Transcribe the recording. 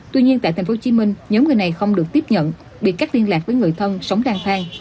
tuy nhiên tại tp hcm nhóm người này không được tiếp nhận bị cắt liên lạc với người thân sống đang thang